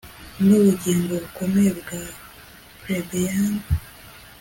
nubugingo bukomeye bwa plebeian